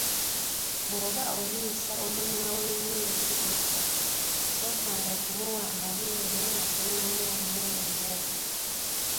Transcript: Bw'oba oliisa omwana ow'emyezi esatu , sookanga kumuwa mabeere nga tonnamuwa mmere ndala.